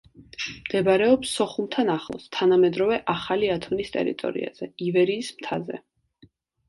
მდებარეობს სოხუმთან ახლოს, თანამედროვე ახალი ათონის ტერიტორიაზე, ივერიის მთაზე.